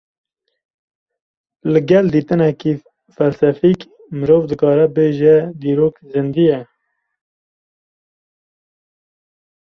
Li gel dîtineke felsefîk, mirov dikare bêje dîrok zîndî ye